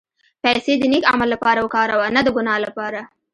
پېسې د نېک عمل لپاره وکاروه، نه د ګناه لپاره.